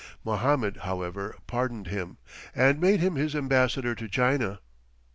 Mohammed, however, pardoned him, and made him his ambassador to China.